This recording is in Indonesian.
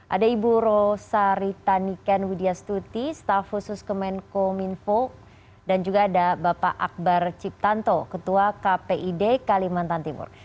ada ibu rosari taniken widya stuti staf khusus kemenko minfo dan juga ada bapak akbar ciptanto ketua kpid kalimantan timur